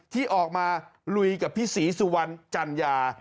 ที่ออกมาลุยกับพี่ศรีสุวรรณจัญญา